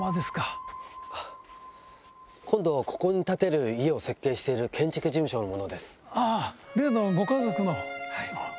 今度ここに建てる家を設計してる建築事務所の者です。